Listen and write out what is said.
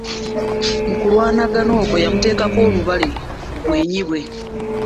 Mu kulwanagana okwo yamuteekako olubale ku bwenyi bwe.